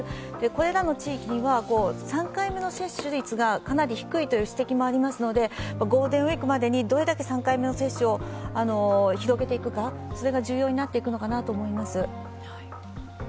これらの地域には３回目の接種率がかなり低いという指摘もありますのでゴールデンウイークまでにどれだけ３回目の接種を広げていけるか、それが重要になっていくのかなと思います。